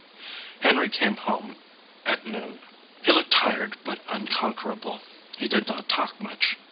Henry came home at noon. He looked tired but unconquerable. He did not talk much.